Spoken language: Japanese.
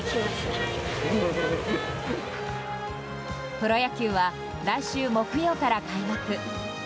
プロ野球は来週木曜から開幕。